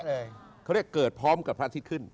เขาเรียกเกิดพร้อมกับพระอาทิตย์ขึ้น